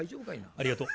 ありがとう。